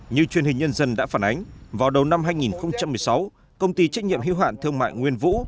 như truyền hình nhân dân đã phản ánh vào đầu năm hai nghìn một mươi sáu công ty trách nhiệm hiếu hạn thương mại nguyên vũ